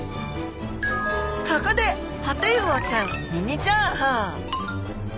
ここでホテイウオちゃんミニ情報！